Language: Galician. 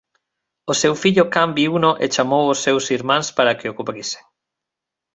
O seu fillo Cam viuno e chamou os seus irmáns para que o cubrisen.